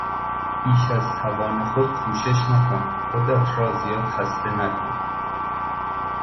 بیش از توان خود کوشش نکن، خودت را زیاد خسته نکن.